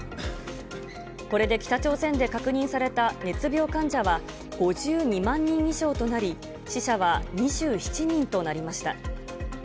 これで北朝鮮で確認された熱病患者は５２万人以上となり、死者は２７人となりました。